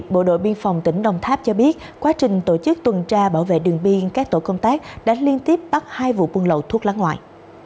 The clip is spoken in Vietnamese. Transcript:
bộ đội biên phòng tỉnh đồng tháp cho biết quá trình tổ chức tuần tra bảo vệ đường biên các tổ công tác đã liên tiếp bắt hai vụ buôn lậu thuốc lá ngoại